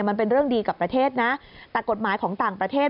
มันเป็นเรื่องดีกับประเทศนะแต่กฎหมายของต่างประเทศ